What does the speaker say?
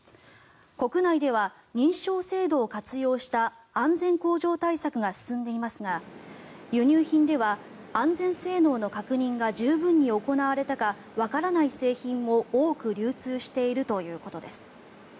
国内では認証制度を活用した安全向上対策が進んでいますが輸入品では安全性能の確認が十分に行われたかわからない製品も多く流通しているということです。